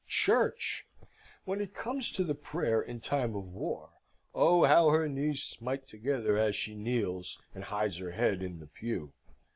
Church! When it comes to the prayer in time of war, oh, how her knees smite together as she kneels, and hides her head in the pew!